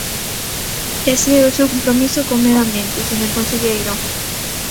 Ese é o seu compromiso co medio ambiente, señor conselleiro.